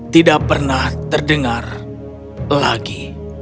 tidak pernah terdengar lagi